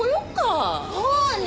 そうね。